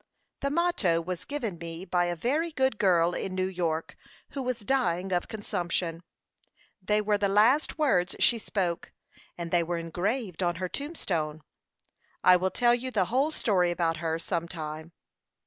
"The motto was given me by a very good girl in New York, who was dying of consumption. They were the last words she spoke, and they were engraved on her tombstone. I will tell you the whole story about her some time."